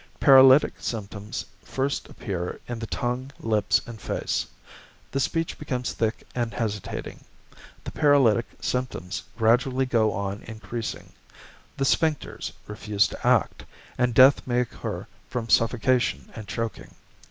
Paralytic symptoms first appear in the tongue, lips, and face; the speech becomes thick and hesitating. The paralytic symptoms gradually go on increasing, the sphincters refuse to act, and death may occur from suffocation and choking.